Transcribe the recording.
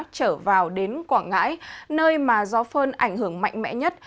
trở vào đến quảng ngãi nơi mà gió phơn ảnh hưởng mạnh mẽ nhất